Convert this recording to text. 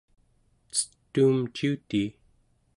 cetuum ciutii